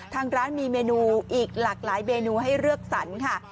ทางร้านมีเมนูอีกหลากหลายเมนูให้เลือกสรรค่ะ